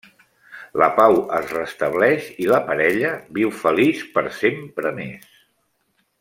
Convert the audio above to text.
La pau es restableix i la parella viu feliç per sempre més.